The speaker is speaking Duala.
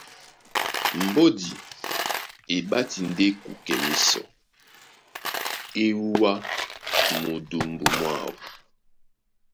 Mbódi e ɓáti ndé kukɛ mísɔ, e wúwa mundumbu mwáō.